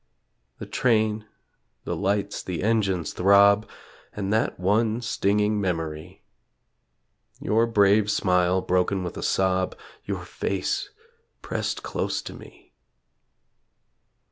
The train, the lights, the engine's throb, And that one stinging memory: Your brave smile broken with a sob, Your face pressed close to me.